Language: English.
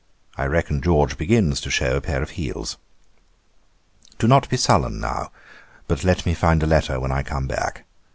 I reckon George begins to shew a pair of heels. 'Do not be sullen now, but let me find a letter when I come back.